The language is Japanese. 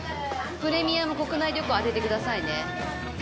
プレミアム国内旅行当ててくださいね。